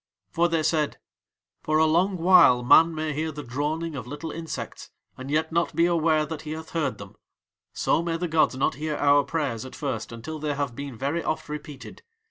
For they said: "For a long while a man may hear the droning of little insects and yet not be aware that he hath heard them, so may the gods not hear our prayers at first until they have been very oft repeated.